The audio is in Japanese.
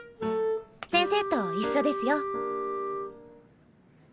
先生と一緒ですよ。